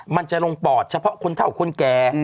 มันจะลงปอดเฉพาะคนเท่าคนแก่